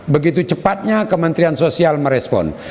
begitu cepatnya kementerian sosial merespon